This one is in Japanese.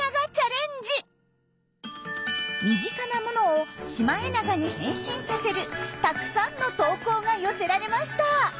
身近なものをシマエナガに変身させるたくさんの投稿が寄せられました。